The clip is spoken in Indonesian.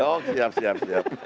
oh siap siap siap